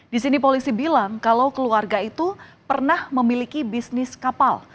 di sini polisi bilang kalau keluarga itu pernah memiliki bisnis kapal